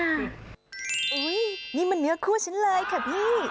นี่มันเนื้อคู่ฉันเลยค่ะพี่